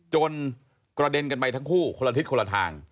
กระเด็นกันไปทั้งคู่คนละทิศคนละทาง